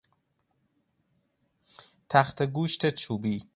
تخته گوشت چوبی